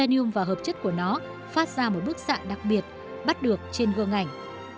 nium và hợp chất của nó phát ra một bức xạ đặc biệt bắt được trên gương ảnh